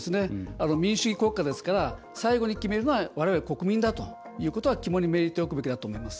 民主主義国家ですから最後に決めるのはわれわれ国民だということは肝に銘じておくべきだと思います。